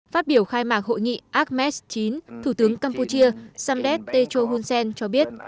phát biểu khai mạc hội nghị ames chín thủ tướng campuchia samdek tekcho hunsen cho biết